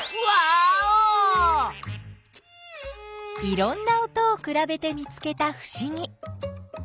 いろんな音をくらべて見つけたふしぎ。